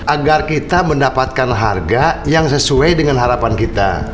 agar kita mendapatkan harga yang sesuai dengan harapan kita